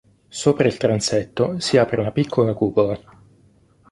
Sopra il transetto si apre una piccola cupola.